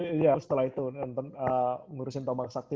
iya setelah itu ngurusin tomang sakti